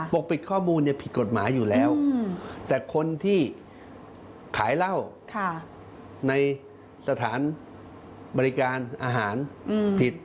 ปกปิดข้อมูลผิดกฎหมายอยู่แล้วแต่คนที่ขายเหล้าในสถานบริการอาหารผิด